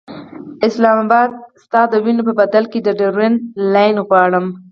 اسلام اباد ستا د وینو په بدل کې ډیورنډ لاین غواړي.